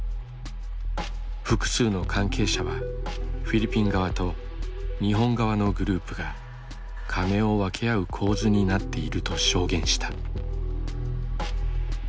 複数の関係者はフィリピン側と日本側のグループがカネを分け合う構図になっていると証言した。